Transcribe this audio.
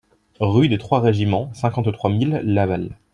Rue des Trois Régiments, cinquante-trois mille Laval